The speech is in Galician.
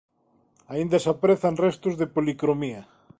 Aínda se aprecian restos de policromía.